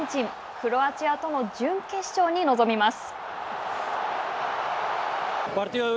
クロアチアとの準決勝に臨みます。